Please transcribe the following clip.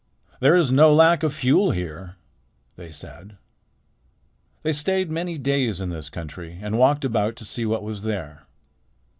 "There is no lack of fuel here," they said. They stayed many days in this country and walked about to see what was there.